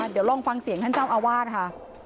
เดี๋ยวลองฟังเสียงท่านเจ้าอาวาสค่ะ